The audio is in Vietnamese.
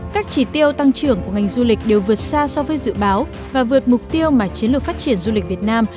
các chỉ tiêu tăng trưởng của ngành du lịch đều vượt xa so với dự báo và vượt mục tiêu mà chiến lược phát triển du lịch việt nam